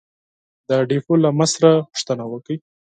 د ډېپو له مشره پوښتنه وکړئ!